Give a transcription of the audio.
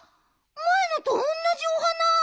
まえのとおんなじお花！